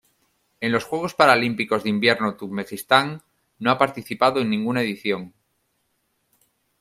En los Juegos Paralímpicos de Invierno Turkmenistán no ha participado en ninguna edición.